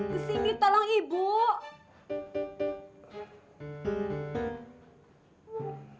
kesini tolong ibu